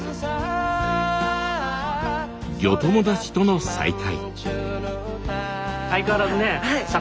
ギョ友達との再会。